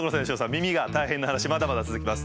耳が大変な話まだまだ続きます。